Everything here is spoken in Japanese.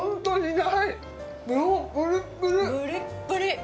ねっプリップリ！